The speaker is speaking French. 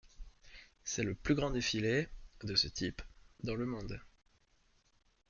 C'est le plus grand défilé, de ce type, dans tout le monde.